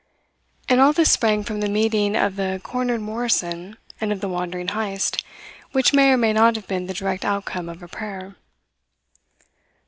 And all this sprang from the meeting of the cornered Morrison and of the wandering Heyst, which may or may not have been the direct outcome of a prayer.